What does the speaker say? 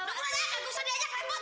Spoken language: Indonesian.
nunggu lah gak usah diajak rembut